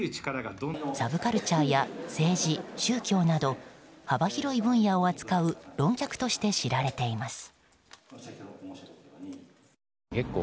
サブカルチャーや政治、宗教など幅広い分野を扱う論客として知られています。